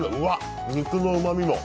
肉のうまみも。